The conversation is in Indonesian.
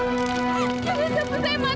ya allah ya allah tolong